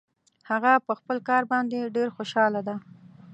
هغه په خپل کار باندې ډېر خوشحاله ده